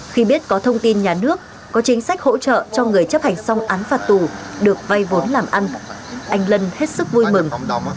khi biết có thông tin nhà nước có chính sách hỗ trợ cho người chấp hành xong án phạt tù được vay vốn làm ăn anh lân hết sức vui mừng